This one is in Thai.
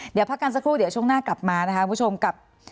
เดี๋ยวพักกันสักครู่เดี๋ยวช่วงหน้ากลับมานะคะคุณผู้ชมกับ